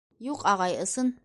— Юҡ, ағай, ысын.